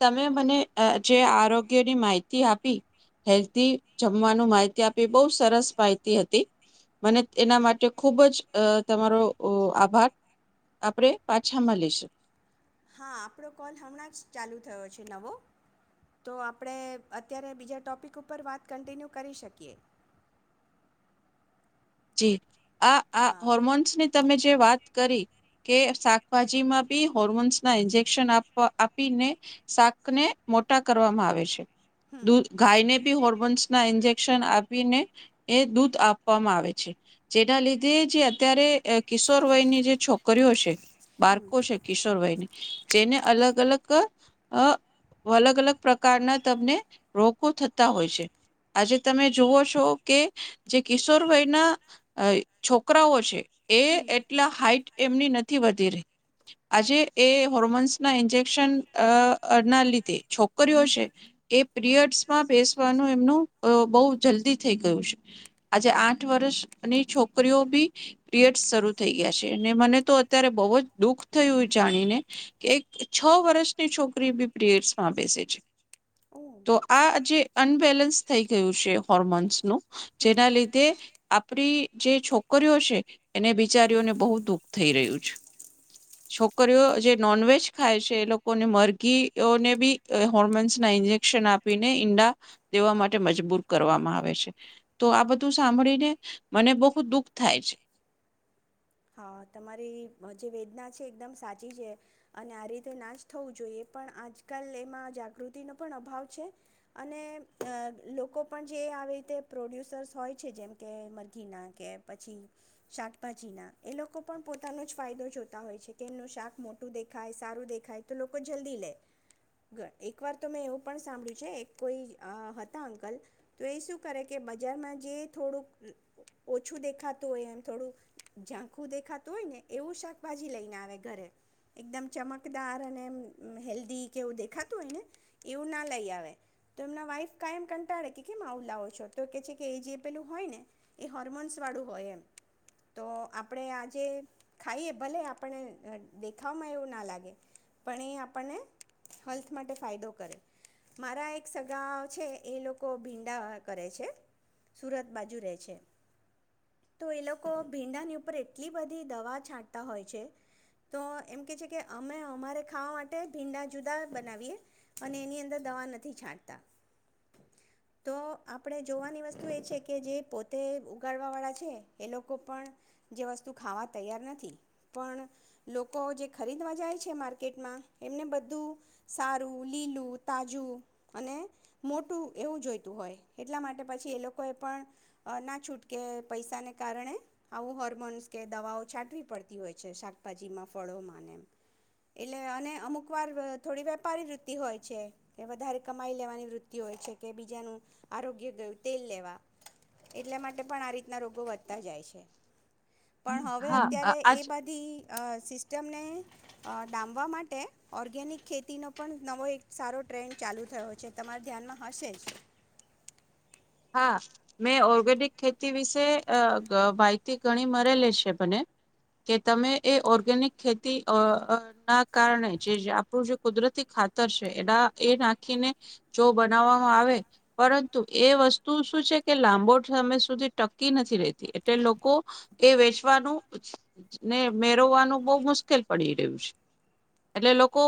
તમે મને જે આરોગ્યની માહિતી આપી હેલ્ધી જમવાનું માહિતી આપી બહુ સરસ માહિતી હતી મને એના માટે ખૂબ જ તમારો આભાર આપણે પાછા મળ લીશ હા આપણો કોલ હમણાં જ ચાલુ થયો છે નવો તો આપણે અત્યારે બીજા ટોપિક ઉપર વાત કન્ટિન્યુ કરી શકીએ જી આ આ હા હર્મોનસ ને તમે જે વાત કરી કે શાકભાજી માં બી હોર્મોન્સ ના ઇન્જેકશનવા આપીને શાકને મોટા કરવામાં આવે છે હમ દૂધ ગાઈને ભી હોર ના ઇન્જેક્શન આપીને એ દૂધ આપવામાં આવે છે જેના લીધે જે અત્યારે કિશોર વયની જે છોકરીઓ છે હમ બાળકો છે કિશોર વયની હમ જેને અલગ અલગ અ અલગ અલગ પ્રકારના તમને રોગો થતા હોય છે આજે તમે જોુઓ છો કે જે કિશોર વયના અ છોકરાઓ છે હમ એ એટલા હાઈટ એમની નથી વધી રહી આજે એ હોર્મોન્સ ના ઇન્જેક્શન ના લીધે છોકરીઓ છે એ પીરિયડ્સમાં બેસવાનું એમનું બહુ જલ્દી થઈ ગયું છે આજે આઠ વર્ષ અને છોકરીઓ બી પીરિયડ્સ શરૂ થઈ ગયા છે અને મને તો અત્યારે બહુ જ દુઃખ થયું જાણીને કે એક છ વર્ષની છોકરી બી પીરિયડ્સ માં બેસે છે ઓ તો આ જે અનબેલેન્સ થઈ ગયું છે હોર્મોન્સનુંું હમ જેના લીધે આપણી જે છોકરીઓ છે એને બિચારીઓને બહુ દુઃખ થઈ રહ્યું છે છોકરીઓ જે નોનવેજ ખાય છે એ લોકોને મરઘીઓને બી હોર્મોન્સના ઇન્જેક્શન આપીને ઈંડા દેવા માટે મજબૂર કરવામાં આવે છે તો આ બધું સાંભળીને મને બહુ દુઃખ થાય છે હા તમારી જે વેદના છે એકદમ સાચી છે અને આ રીતે નાશ થવું જોઈએ પણ આજકાલ એમાં જાગૃતિનો પણ અભાવ છે અને લોકો પણ જે આવી રીતે પ્રોડ્યુસર્સ હોય છે જેમ કે મરઘીના કે પછી શાકભાજીના એ લોકો પણ પોતાનો જ ફાયદો જોતા હોય છે કે એમનું શાક મોટું દેખાય સારું દેખાય તો લોકો જલ્દી લે એક વાર તો મેં એવું પણ સાંભળ્યું છે એક કોઈ હતા અંકલ તો એ શું કરે કે બજારમાં જે થોડુંક ઓછું દેખાતું હોય એમ થોડુંક ઝાંખું દેખાતું હોય ને એવું શાકભાજી લઈને આવે ઘરે એકદમ ચમકદાર અને હેલ્ધી જેવું દેખાતું હોય ને એવું ના લઈ આવે તો એમના વાઈફ કાયમ કંટાળે કે કેમ આવું લાવો છો તો કે છે કે એ જે પેલું હોય ને એ હોર્મોન્સ વાળું હોય એમ તો આપણે આજે ખાઈએ ભલે આપણને દેખાવમાં એવું ના લાગે પણ એ આપણને હેલ્થ માટે ફાયદો કરે મારા એક સગા છે એ લોકો ભીંડા કરે છે સુરત બાજુ રહે છે તો એ લોકો ભીંડાની ઉપર એટલી બધી દવા છાંટતા હોય છે તો એમ કે છે કે અમે અમારે ખાવા માટે ભીંડા જુદા બનાવીએ અને એની અંદર દવા નથી છાંટતા તો આપણે જોવાની વસ્તુ એ છે કે જે પોતે ઉગાડવા વાળા છે એ લોકો પણ જે વસ્તુ ખાવા તૈયાર નથી પણ લોકો જે ખરીદવા જાય છે માર્કેટમાં એમને બધું સારું લીલું તાજું અને મોટું એવું જોઈતું હોય એટલા માટે પછી એ લોકો એ પણ ના છૂટકે પૈસાને કારણે આવું હોર્મોન્સ કે દવાઓ છાંટવી પડતી હોય છે શાકભાજીમાં ફળોમાં એમ એટલે અને અમુક વાર થોડી વેપારી વૃત્તિ હોય છે કે વધારે કમાઈ લેવાની વૃત્તિ હોય છે કે બીજાનું આરોગ્ય ગયું તેલ લેવા એટલા માટે પણ આ રીતના રોગો વધતા જાય છે પણ હવે હા અત્યારે આ એ આજ બધી સિસ્ટમને ડામવા માટે ઓર્ગેનિક ખેતીનો પણ નવો એક સારો ટ્રેન્ડ ચાલુ થયો છે તમારા ધ્યાનમાં હશે જ હા મેં ઓર્ગેનિક ખેતી વિશે અ માહિતી ઘણી મળેલી છે મને કે તમે એ ઓર્ગેનિક ખેતી ના કારણે જે આપણું જે કુદરતી ખાતર છે એના એ નાખીને જો બનાવવામાં આવે પરંતુ એ વસ્તુ તું શું છે કે લાંબો સમય સુધી ટકી નથી રહેતી એટલે લોકો એ વેચવાનું ને મેરવવાનું બહુ મુશ્કેલ પડી રહ્યું છે એટલે લોકો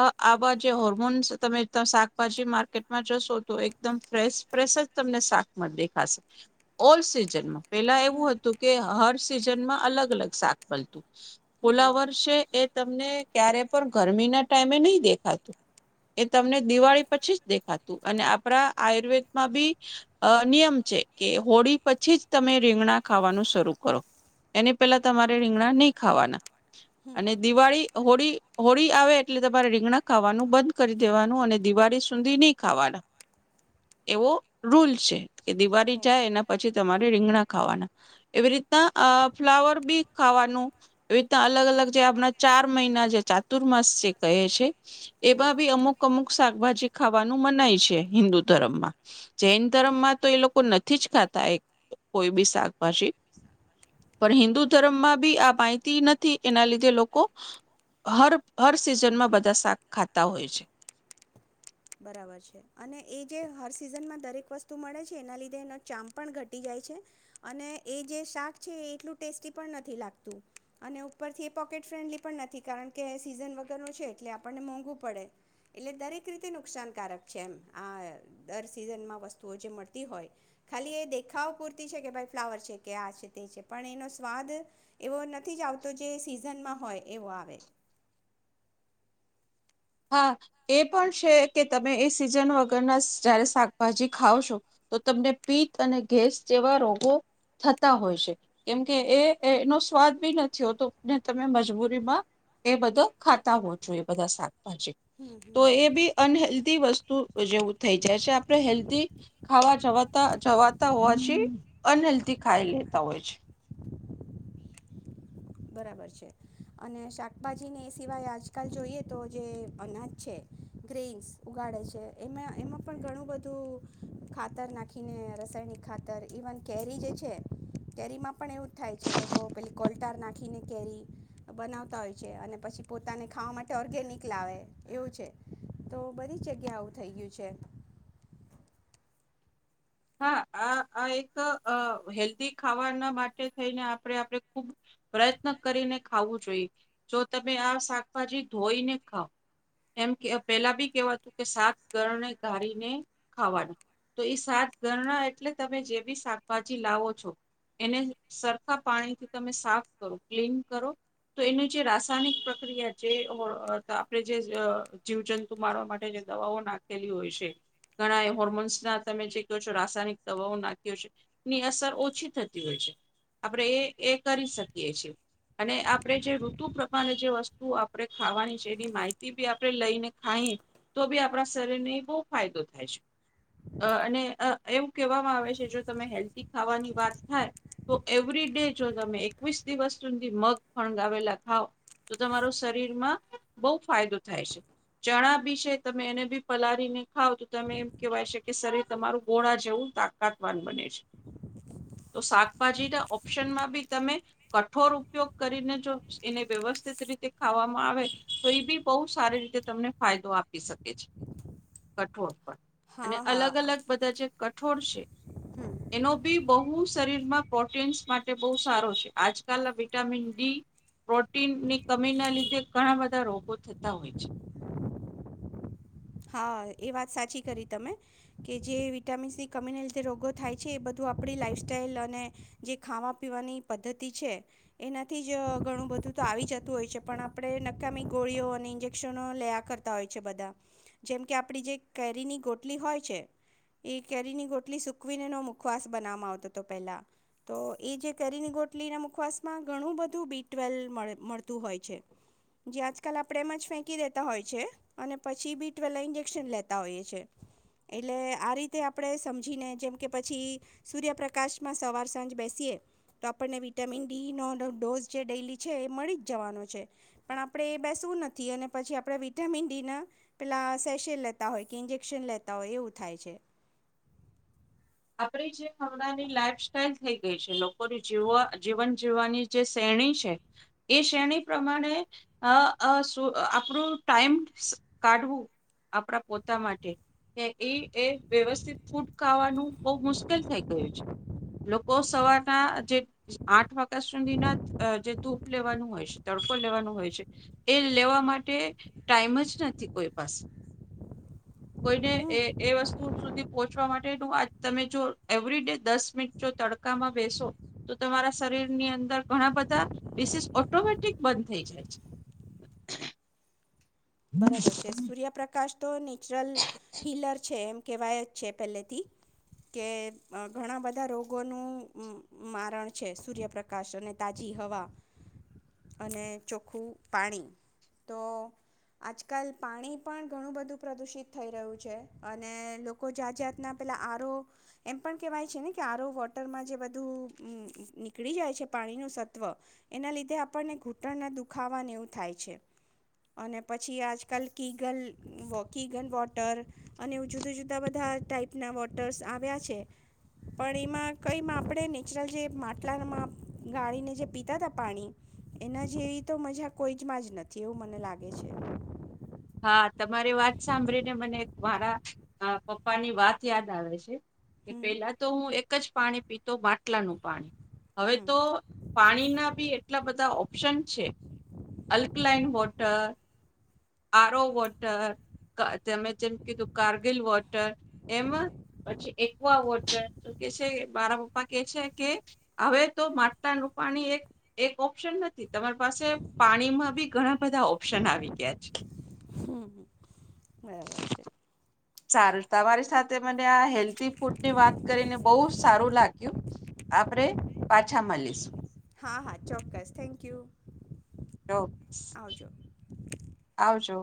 આવા જે હોર્મોન્સ તમે શાકભાજી માર્કેટમાં જશો તો એકદમ ફ્રેશ ફ્રેશ જ ા દેખાશે ઓલ સિઝનમાં પેલા હમ એવું હતું કે હર સિઝનમાં અલગ અલગ શાક મળતું હમ ફલાવર છે એ તમને ક્યારે પણ ગરમી ના ટાઈમે નહી દેખાતું એ તમને દિવાળી પછી જ દેખાતું અને આપણા આયુર્વેદમાં બી અ નિયમ છે કે હોળી પછી જ તમે રીંગણા ખાવાનું શરૂ કરો એને પેહેલા તમારે રીંગણા નહી ખાવાના હમ અને દિવાળી હોળી હોળી આવે એટલે તમારે રીંગણા ખાવાનું બંધ કરી દેવાનું અને દિવાળી સુધી નહી ખાવાના એવો રૂલ છે કે ઓ દિવાળી જાય એના પછી તમારે રીંગણા ખાવાના એવી રીતના અ ફ્લાવર બી ખાવાનું એવી રીતના અલગ અલગ જે આપણા ચાર મહિના જે ચાતુર્માસ જે કહે છે હમ એવા બી અમુક અમુક શાકભાજી ખાવાનું મનાય છે હિન્દુ ધર્મમાં. જૈન ધર્મમાં તો એ લોકો નથી જ ખાતા કોઈ બી શાકભાજી. પણ બરાબર હિન્દુ ધર્મમાં બી આપ પાતી નથી, એના લીધે લોકો હર સિઝનમાં બધા શાક ખાતા હોય છે. બરાબર છે અને એ જે હર સિઝનમાં દરેક વસ્તુ મળે છે, એના લીધે એનો ચામ પણ ઘટી જાય છે અને એ જે શાક છે એ એટલું ટેસ્ટી પણ નથી લાગતું અને ઉપરથી એ પોકેટ ફ્રેન્ડલી પણ નથી, કારણ કે સિઝન વગર ન છે એટલે આપણને મોંઘું પડે એટલે દરેક રીતે નુકસાનકારક છે એમ આ દર સિઝનમાં વસ્તુઓ જે મળતી હોય ખાલી એ દેખાવ પૂરતી છે કે, ભાઈ ફ્લાવર છે કે આ છે તે છે પણ એનો સ્વાદ એવો નથી જ આવતો જે સિઝનમાં હોય એવો આવે. હા. એ પણ છે કે તમે એ સિઝન વગરના જયારે શાકભાજી ખાવ છો, તો તમને પિત્ત અને ગેસ જેવા રોગો થતા હોય છે, કેમકે એ એનો સ્વાદ બી નથી હોતોને તમે મજબૂરીમાં એ બધા ખાતા હો છો એ બધા શાક. તો એ બી અનહેલ્ધી વસ્તુ જેવું થઈ જાય છે. આપણે હેલ્ધ ખાવા જવા જવાતા હોવાથી અનહેેલ્ધ ખાઈ લેતા હોય છે. બરાબર છે અને શાકભાજીને એ સિવાય આજકાલ જોઈએ તો જે અનાજ છે, ગ્રેન્સ ઉગાડે છે, એમાં એમાં પણ ઘણું બધું ખાતર નાખીને રાસાયણિક ખાતર ઈવન કેરી જે છે, કેરીમાં પણ એવું જ થાય છે લોકો પેલી કોલ્ટાર નાખ આખીને કેરી બનાવતા હોય છે અને પછી પોતાને ખાવા માટે ઓર્ગેનિક લાવે એવું છે, તો બધી જ જગ્યા આવું થઈ ગયું છે. હા. આ આ એક હેલ્ધી ખાવાના માટે થઈને આપણે આપણે ખુબ પ્રયત્ન કરીને ખાવું જોઈએ. જો તમે આ શાકભાજી ધોઈને ખાવ એમ કે પેલા બી કેવાતું કે શાક ગરને ગારીને ખાવાનું તો એ સાત ઘરણા એટલે તમે જે બી શાકભાજી લાવો છો એને સરખા પાણીથી તમે સાફ કરો ક્લીન કરો, તો એની જે રાસાયણિક પ્રક્રિયા જે આપણે જે જીવજંતુ મારવા માટે જે દવાઓ નાખેલી હોય છે ઘણા એ હોર્મોન્સના તમે જે રાસાયણિક દવાઓ નાખી્યો છે, ઈની અસર ઓછી થતી હોય છે. આપણે એ એ કરી શકીએ છીએ અને આપણે જે ઋતુ પ્રમાણે જે વસ્તુ આપણે ખાવાની છે, એની માહિતી બી આપણે લઈને ખાઈ તો બી આપણા શરીરને બહુ ફાયદો થાય છે અને એવું કહેવામાં આવે છે જો તમે હેલ્ધી ખાવાની વાત થાય તો એવરી ડે જ તમે એકવીસ દિવસ સુધી મગ ફણગાવેલા ખાવ તો, તમારો શરીરમાં બહુ ફાયદો થાય છે, ચણા બી છે તમે એને બી પલાળીને ખાવ તો તમે એમ કહેવાય છે કે, શરીર તમારું ગોળા જેવું તાકાતવાન બને છે, તો શાકભાજીના ઓપ્શનમાં બી તમે કઠોર ઉપયોગ કરીને જો એને વ્યવસ્થિત રીતે ખાવામાં આવે તો એ બી બહુ સારી રીતે તમને ફાયદો આપી શકે છે, કઠોર પણ. અને હા. હા. અલગ અલગ બધા જે કઠોળ છે. હમ એનો બી બહુ કું શરીરમાં પ્રોટીન્સ માટે બહુ સારો છે. આજકાલના વિટામિન ડી પ્રોટીનની કમીના લીધે ઘણા બધા રોગો થતા હોય છે. હા. એ વાત સાચી કરી તમે કે, જે વિટામિન્સની કમીને લીધે રોગો થાય છે એ બધું આપણી લાઈફસ્ટ્ટાઈલ અને જે ખાવા પીવાની પદ્ધતિ છે, એનાથી જ ઘણું બધું તો આવી જતું હોય છે, પણ આપણે નકામી ગોળીઓ અને ઇન્જેક્શનો લેયા કરતા હોય છે બધા. જેમ કે આપણી જે કેરીની ગોટલી હોય છે, એ કેરીની ગોટલી સૂકવીને એનો મુખવાસ બનાવવામાં આવતો હતો પહેલાં. તો એ જે કેરીની ગોટલીના મુખવાસમાં ઘણું બધું બી ટ્વેલ મળ મળતું હોય છે, જે આજકાલ આપણે એમ જ ફેંકી દેતા હોય છે અને પછી બી વેલા ઇન્જેક્શન લેતા હોઈએ છીએ, એટલે આ રીતે આપણે સમજીને જેમ કે પછી, સૂર્યપ્રકાશમાં સવાર સાંજ બેસીએ તો આપણને વિટામિન ડીનો ડોઝ જે ડેલી છે એ મળી જ જવાનો છે, પણ આપણે એ બેસવું નથી અને પછી આપણે વિટામિન ડીના પેલા સેસે લેતા હોય કે ઈન્જેક્શન લેતા હોય એવું થાય છે. આપ જે હમણાંની લાઈફ સાઈલ થઈ ગઈ છે, લોકોની જીવવા જીવન જીવવાની જે શ્રેણી છે એ શ્રેણી પ્રમાણે આપણું ટાઈમ કાઢવું આપણા પોતા માટે કે એ એ વ્યવસ્થિત ફૂડ ખાવાનું બહ મુશ્કેલ થઈ ગયું છે. લોકો સવારના જે આઠ વાગ્યા સુધીના જે ધૂપ લેવાનું હોય છે, તડકો લેવાનું હોય છે એ લેવા માટે ટાઈમ જ નથી કોઈ પાસે, કોઈને એ હમ એ વસ્તુ સુધી પહોંચવા માટેનું તમે જો એવરી ડે દસ મિનિટ જો તડકામાં બેસો તો, તમારા શરીરની અંદર ઘણા બધા ડિસીસ ઓટોમેટિક બંધ થઈ જાય છે. બરાબર છે સૂર્યપ્રકાશ તો ન નેચરલ હિલર છે એમ કહેવાય જ છે પહેલેથી કે ઘણા બધા રોગોનું મારણ છે સૂર્યપ્રકાશ અને તાજી હવા અને ચોખ્ખું પાણી, તો આજકાલ પાણી પણ ઘણું બધું પ્રદૂષિત થઈ રહ્યું છે, અને લોકો જાત જાતના પેલાં આરો એમ પણ કહેવાય છે ને કે આરો વોટરમાં જે બધું નીકળી જાય છે, પાણીનું સત્વ એના લીધે આપણને ઘૂંટણના દુખાવાને એવું થાય છે અને પછી આજકાલ કીગલ કીગન વોટર અને એવુ જુદા જુદા બધા ટાઈપના વોટર્સ આવ્યા છે, પણ એમાં કંઈ આપણે નેચરલ જે માટલામાં ગાળીને જે પીતા હતા પાણી એના જેવી તો મજા કોઈ જમાં જ નથી એવું મને લાગે છે. હા. તમારી વાત સાંભળીને મને મારા પપ્પા ની વાત યાદ આવે છે. એ હમ પેલા તો હું એક જ પાણી પીતો બાટલાનું પાણી હવે હમ તો પાણીના બી એટલા બધા ઓપ્શન છે, અલ્કલાઈન વોટર આરો વોટર, તમે જેમ કીધું કારગીલ વોટર, એમ પછી એકવા વોટર, તો કે છે મારા પપ્પા કે છે કે હવે તો માટાનુંપાણી એક એક ઓપ્શન નથી, તમારી પાસે પાણીમાં બી ઘણા બધા ઓપ્શન આવી ગયા છે. હમ બરાબર છે સારું તમારી સાથે મને આ હેલ્ધ ફૂડની વાત કરીને બહુ સારું લાગ્યું આપણેે પાછા મળીશું. હા. હા. ચોક્કસ. Thank you. ઓો આવજો આવજો